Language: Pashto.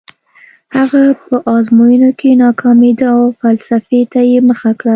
هغه په ازموینو کې ناکامېده او فلسفې ته یې مخه کړه